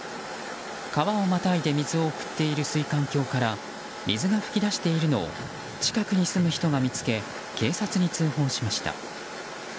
川をまたいで水を送っている水管橋から水が噴き出しているのを近くに住む人が見つけ警察に通報しました。